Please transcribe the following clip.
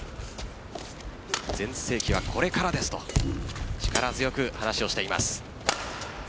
全盛期はこれからですと力強く話をしています。